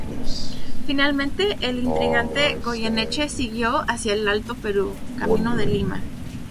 Finalmente, el intrigante Goyeneche siguió hacia el Alto Perú, camino de Lima.